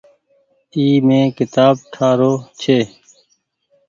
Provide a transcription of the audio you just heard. اي مين ڪيتآب ٺآ رو ڇي۔